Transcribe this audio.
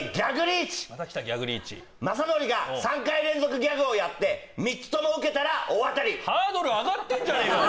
リーチ雅紀が３回連続ギャグをやって３つともウケたら大当たりハードル上がってんじゃねえかよ